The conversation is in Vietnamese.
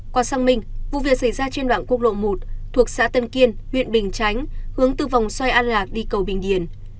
qua xăng minh vụ việc xảy ra trên đoạn quốc lộ một thuộc xã tân kiên huyện bình chánh hướng từ vòng xoay an lạc đi cầu bình điển